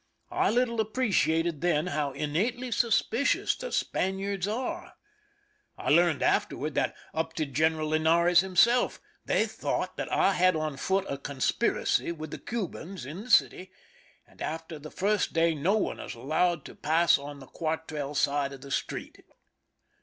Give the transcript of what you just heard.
I little appreciated then how innately suspicious the Spaniards are. I learned afterward that, up to G eneral Linares himself, they thought that I had on foot a conspiracy with the Cubans in the city, and after the first day no one was allowed to pass on the cuartel side of the street.